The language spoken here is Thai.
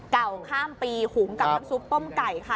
เก่าข้ามปีหุงกับน้ำซุปต้มไก่ค่ะ